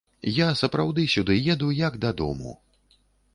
Я сапраўды сюды еду як дадому.